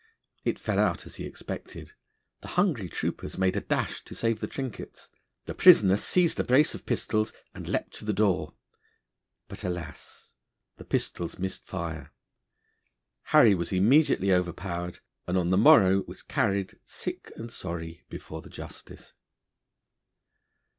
It fell out as he expected; the hungry troopers made a dash to save the trinkets; the prisoner seized a brace of pistols and leapt to the door. But, alas, the pistols missed fire, Harry was immediately overpowered, and on the morrow was carried, sick and sorry, before the Justice.